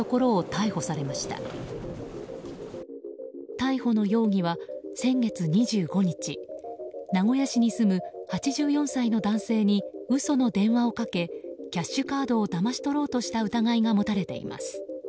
逮捕の容疑は、先月２５日名古屋市に住む８４歳の男性に嘘の電話をかけキャッシュカードをだまし取ろうとした疑いが持たれています